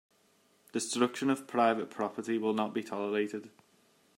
Destruction of private property will not be tolerated.